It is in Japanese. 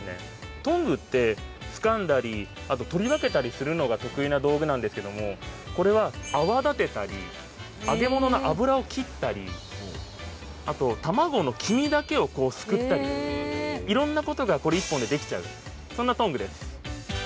トングってつかんだり取り分けたりするのが得意な道具なんですけれどもこれは泡立てたり揚げ物の油を切ったりあと、たまごの黄身だけをすくったりいろんなことがこれ１本でできちゃうそんなトングです。